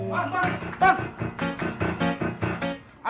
pak pak pak